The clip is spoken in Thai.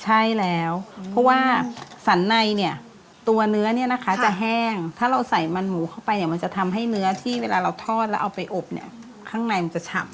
ใช่แล้วเพราะว่าสันในเนี่ยตัวเนื้อเนี่ยนะคะจะแห้งถ้าเราใส่มันหมูเข้าไปเนี่ยมันจะทำให้เนื้อที่เวลาเราทอดแล้วเอาไปอบเนี่ยข้างในมันจะฉ่ำ